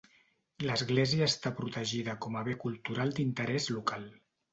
L'església està protegida com a bé cultural d'interès local.